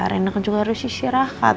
renek juga harus istirahat